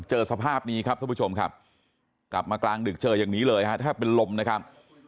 สภาพนี้ครับท่านผู้ชมครับกลับมากลางดึกเจออย่างนี้เลยฮะแทบเป็นลมนะครับ